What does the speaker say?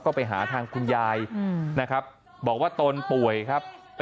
ก็ไปหาทางคุณยายนะครับบอกว่าตนป่วยครับ